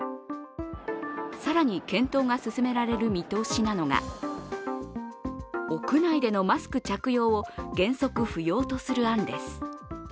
更に検討が進められる見通しなのが屋内でのマスク着用を原則不要とする案です。